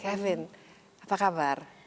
kevin apa kabar